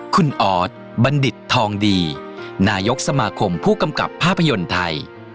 คุณออสบัณฑิตทองดีนายกสมาคมผู้กำกับภาพยนตร์ไทย